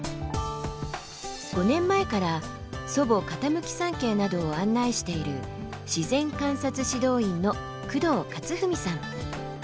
５年前から祖母・傾山系などを案内している自然観察指導員の工藤克史さん。